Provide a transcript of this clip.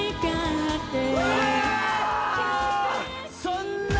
そんな。